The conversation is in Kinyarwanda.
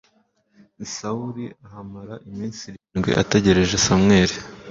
sawuli ahamara iminsi irindwi ategereje samweli